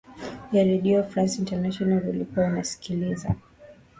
ya redio france international ulikuwa unasikiliza